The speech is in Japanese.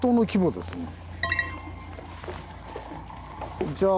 こんにちは。